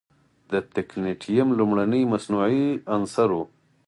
د تکنیټیم لومړنی مصنوعي عنصر و.